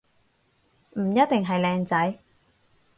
唔一定係靚仔